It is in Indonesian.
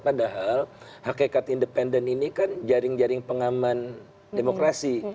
padahal hakikat independen ini kan jaring jaring pengaman demokrasi